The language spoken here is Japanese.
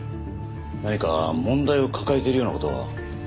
何か問題を抱えてるような事は？